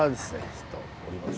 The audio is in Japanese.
ちょっと下ります。